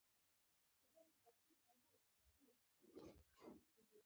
ملا سنډکی په لوړ سوات کې اوسېدی.